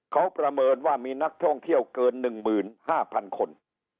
เขาประเมินว่ามีนักท่องเที่ยวเกินหนึ่งหมื่นห้าพันคน